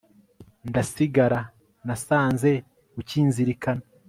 ndasigara, nasanze ukinzirikana